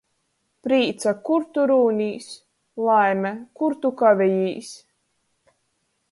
Prīca, kur tu rūnīs, laime, kur tu kavejīs?